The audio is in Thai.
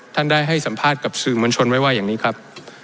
ท่านได้ให้สัมภาษณ์กับสื่อมวลชนไว้ว่าอย่างนี้ครับ